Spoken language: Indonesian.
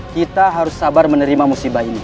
kita harus sabar menerima musibah ini